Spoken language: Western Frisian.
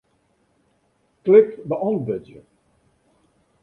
Klik Beäntwurdzje.